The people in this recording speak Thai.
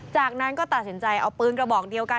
จากนั้นก็ตัดสินใจเอาปืนกระบอกเดียวกัน